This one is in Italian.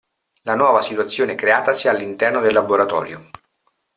La nuova situazione creatasi all'interno del laboratorio.